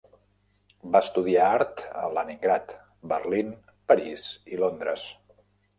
Va estudiar art a Leningrad, Berlín, París i Londres.